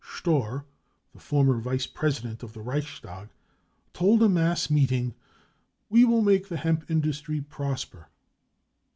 59 Stohr, the former vice president of the Reichstag, told a mass meeting : e cc We will make the hemp industry prosper.